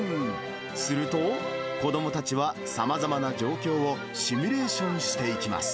すると、子どもたちはさまざまな状況を、シミュレーションしていきます。